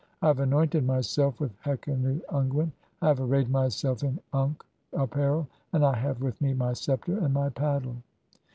I have anointed myself with hekenu unguent, I "have arrayed myself in (28) unkh apparel, and I have with me "my sceptre and [my] paddle."